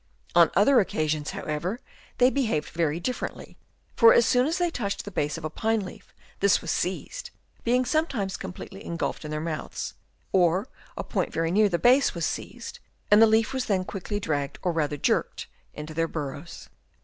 On other occasions, how ever, they behaved very differently ; for as soon as they touched the base of a pine leaf, this was seized, being sometimes completely en gulfed in their mouths, or a point very near the base was seized, and the leaf was then quickly dragged or rather jerked into their burrows.